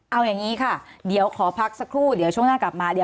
เอาอย่างนี้ค่ะเดี๋ยวขอพักสักครู่เดี๋ยวช่วงหน้ากลับมาเดี๋ยว